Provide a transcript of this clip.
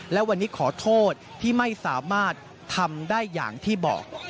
และวันนี้ขอโทษที่ไม่สามารถทำได้อย่างที่บอก